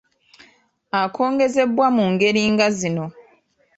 Akongozzebwa mu ngeri nga zino